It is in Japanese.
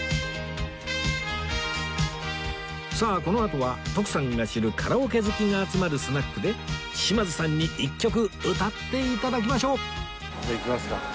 さあこのあとは徳さんが知るカラオケ好きが集まるスナックで島津さんに１曲歌って頂きましょうじゃあ行きますか。